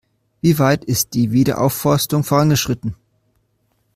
Wie weit ist die Wiederaufforstung vorangeschritten?